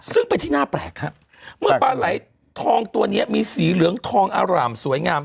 ซึ่งเป็นที่น่าแปลกฮะเมื่อปลาไหลทองตัวนี้มีสีเหลืองทองอร่ามสวยงาม